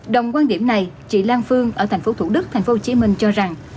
đồng quan điểm này chị lan phương ở thành phố thủ đức thành phố hồ chí minh cho rằng